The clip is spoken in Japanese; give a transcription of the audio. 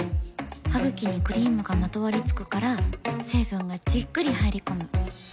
ハグキにクリームがまとわりつくから成分がじっくり入り込む。